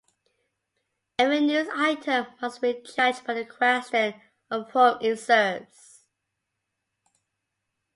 'Every news item must be judged by the question of whom it serves.